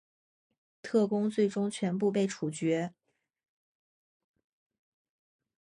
特工最终全部被处决。